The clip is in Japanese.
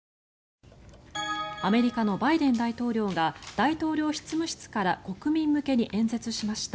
アメリカのバイデン大統領が大統領執務室から国民向けに演説しました。